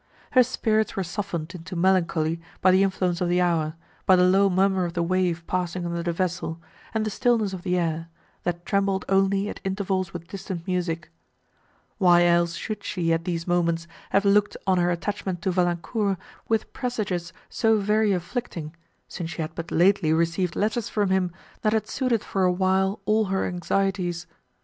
Her spirits were softened into melancholy by the influence of the hour, by the low murmur of the wave passing under the vessel, and the stillness of the air, that trembled only at intervals with distant music:—why else should she, at these moments, have looked on her attachment to Valancourt with presages so very afflicting, since she had but lately received letters from him, that had soothed for a while all her anxieties?